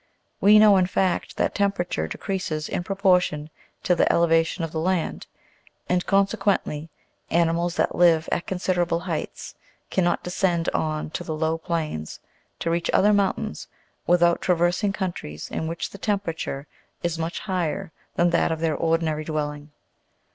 We know, in fact, that temperature decreases in proportion to the elevation of the land, and conse quently, animals that live at considerable heights cannot descend on to the low plains, to reach other mountains, without traversing countries in which the temperature is much higher than that of their ordinary dwelling.